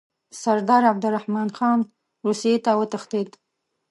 سردار عبدالرحمن خان روسیې ته وتښتېد.